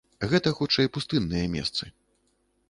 Гэта хутчэй пустынныя месцы.